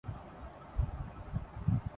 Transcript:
police حکام کا مطابق